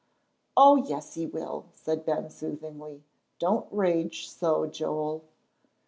"Oh, yes, he will," said Ben, soothingly. "Don't rage so, Joel."